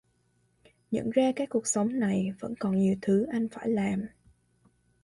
Nhận ra cái cuộc sống này vẫn còn nhiều thứ anh phải làm